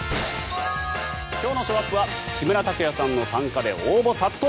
今日のショーアップは木村拓哉さんの参加で応募殺到。